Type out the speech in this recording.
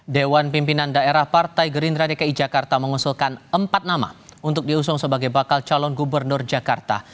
dewan pimpinan daerah partai gerindra dki jakarta mengusulkan empat nama untuk diusung sebagai bakal calon gubernur jakarta